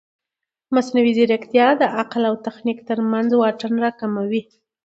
مصنوعي ځیرکتیا د عقل او تخنیک ترمنځ واټن راکموي.